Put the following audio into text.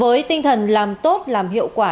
với tinh thần làm tốt làm hiệu quả